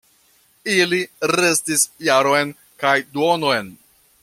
Ili restis jaron kaj duonon.